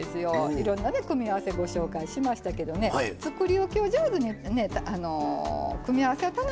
いろんなね組み合わせご紹介しましたけどねつくりおきを上手にやってね組み合わせを楽しむ。